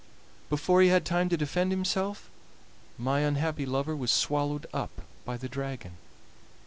Before he had time to defend himself my unhappy lover was swallowed up by the dragon.